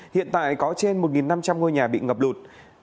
hiện tại có trên một năm trăm linh ngôi nhà bị ngập lụt